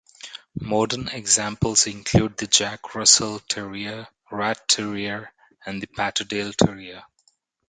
Modern examples include the Jack Russell Terrier, Rat Terrier and the Patterdale Terrier.